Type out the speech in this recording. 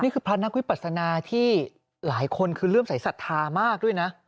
นี่คือพระนักวิปัสนาที่หลายคนคือเริ่มใส่ศรัทธามากด้วยนะ